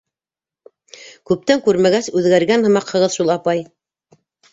- Күптән күрмәгәс, үҙгәргән һымаҡһығыҙ шул, апай.